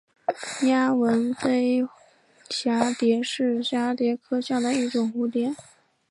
丫纹俳蛱蝶是蛱蝶科下的一种蝴蝶。